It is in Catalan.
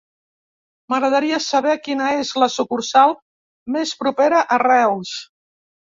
M'agradaria saber quina és la sucursal més propera a Reus.